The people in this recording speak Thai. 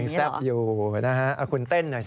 ใส้อยู่นะฮะขนต้นน่าสิ